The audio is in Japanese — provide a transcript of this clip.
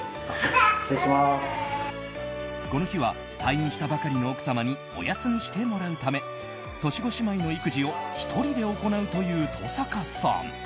この日は退院したばかりの奥様にお休みしてもらうため年子姉妹の育児を１人で行うという登坂さん。